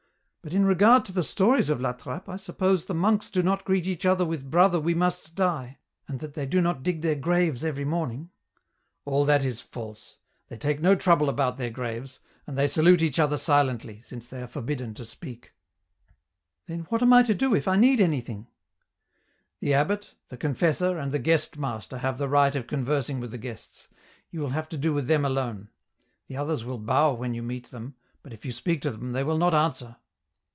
But in regard to the stories of La Trappe,.! suppose the monks do not greet each other with ' Brother, we must die,' and that they do not dig their graves everj' morning ?"" All that is false. They take no trouble about their graves, and they salute each other silently, since they are forbidden to speak," " Then what am I to do if I need anything ?" EN ROUTE. 129 " The abbot, the confessor, and the guestmaster have the right of conversing with the guests, you will have to do with them alone ; the others will bow when you meet them, but if you speak to them they will not answer."